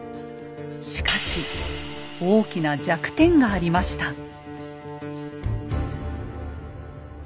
しかし大きな弱点がありました。